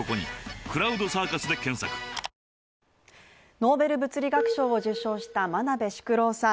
ノーベル物理学賞を受賞した真鍋淑郎さん。